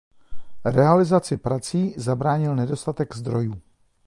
Realizaci prací zabránil nedostatek zdrojů.